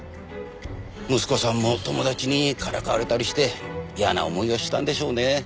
息子さんも友達にからかわれたりして嫌な思いをしたんでしょうね。